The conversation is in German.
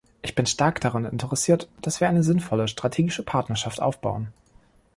Ich bin stark daran interessiert, dass wir eine sinnvolle strategische Partnerschaft aufbauen.